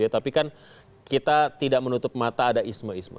tapi kan kita tidak menutup mata ada isme isme